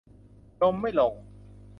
จมไม่ลง